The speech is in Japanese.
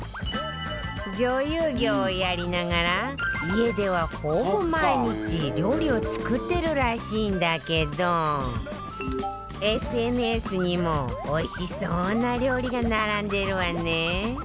女優業をやりながら家ではほぼ毎日料理を作ってるらしいんだけど ＳＮＳ にもおいしそうな料理が並んでるわね